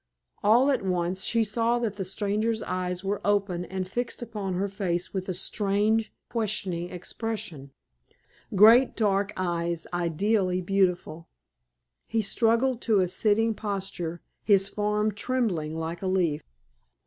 All at once, she saw that the stranger's eyes were open and fixed upon her face with a strange, questioning expression great dark eyes ideally beautiful. He struggled to a sitting posture, his form trembling like a leaf.